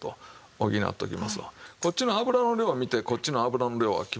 こっちの脂の量を見てこっちの油の量は決めてください。